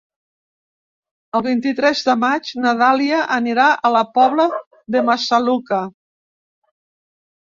El vint-i-tres de maig na Dàlia anirà a la Pobla de Massaluca.